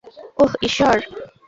ওহ, ঈশ্বর!